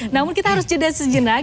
namun kita harus jeda sejenak